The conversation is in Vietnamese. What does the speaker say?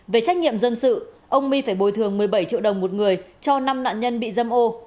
về trách nhiệm dân sự ông my phải bồi thường một mươi bảy triệu đồng một người cho năm nạn nhân bị dâm ô